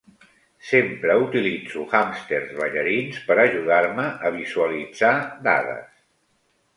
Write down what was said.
Sempre utilitzo hàmsters ballarins per ajudar-me a visualitzar dades.